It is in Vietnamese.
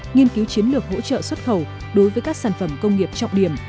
nghiên cứu chiến lược hỗ trợ xuất khẩu đối với các sản phẩm công nghiệp trọng điểm